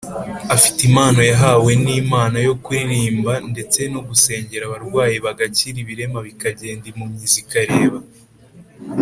afite impano yahawe n’Imana yo kuririmba ndetse no gusengera abarwayi bagakira ibirema bikagenda impumyi zikareba.